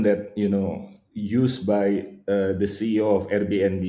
kami mengasihkannya pengalaman sebelas bintang